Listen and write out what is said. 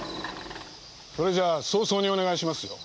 それじゃ早々にお願いしますよ。